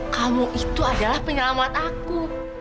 kamu itu adalah penyelamat aku